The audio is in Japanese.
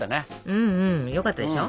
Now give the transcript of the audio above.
うんうんよかったでしょ。